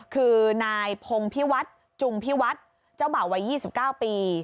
คือนายพงพิวัฒน์จุงพิวัฒน์เจ้าบ่าวัย๒๙ปี